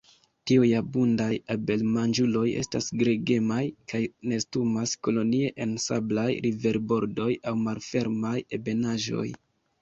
Tiuj abundaj abelmanĝuloj estas gregemaj, kaj nestumas kolonie en sablaj riverbordoj aŭ malfermaj ebenaĵoj.